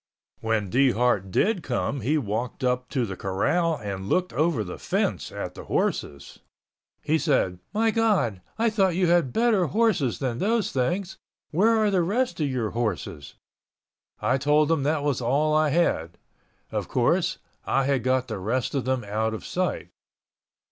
When Dehart did come he walked up to the corral and looked over the fence at the horses. He said, "My God, I thought you had better horses than those things. Where are the rest of your horses?" I told him that was all I had. Of course, I had got the rest of them out of sight.